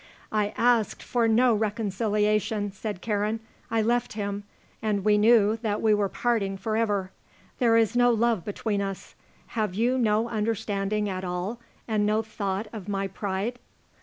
"I asked for no reconciliation," said Karen. "I left him and we knew that we were parting forever. There is no love between us. Have you no understanding at all, and no thought of my pride?"